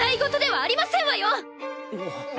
あっ。